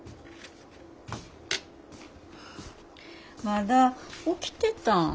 まだ起きてたん？